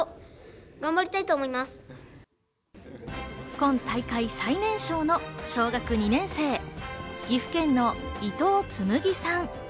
今大会最年少の小学２年生、岐阜県の伊藤紬記さん。